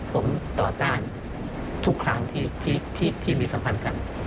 ผมต่อต้านทุกครั้งที่มีสัมพันธ์กัน